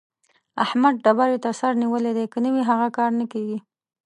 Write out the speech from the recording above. احمد ډبرې ته سر نيولی دی؛ که نه وي هغه کار نه کېږي.